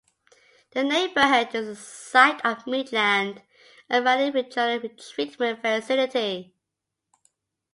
The neighborhood is the site of the Midland Avenue Regional Treatment Facility.